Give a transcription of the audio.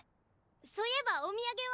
そういえばお土産は？